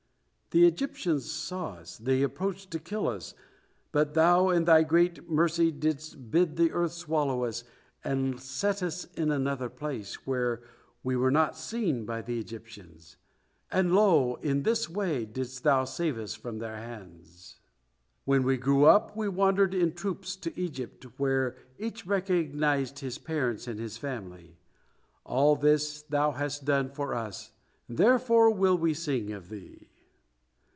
When the Egyptians saw us, they approached to kill us, but Thou in Thy great mercy didst bid the earth swallow us and set us in another place, where we were not seen by the Egyptians, and lo! in this way didst Thou save us from their hand. When we grew up, we wandered in troops to Egypt, where each recognized his parents and his family. All this hast Thou done for us, therefore will we sing of Thee."